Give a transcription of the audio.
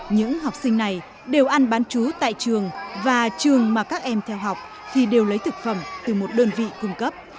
những học sinh này đều ăn bán chú tại trường và trường mà các em theo học thì đều lấy thực phẩm từ một đơn vị cung cấp